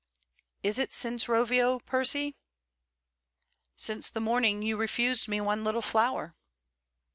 'Is it since Rovio, Percy?' 'Since the morning when you refused me one little flower.'